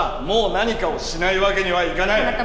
もう何かをしないわけにはいかない。